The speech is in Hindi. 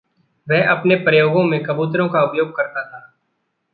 वह अपने प्रयोगों में कबूतरों का उपयोग करता था।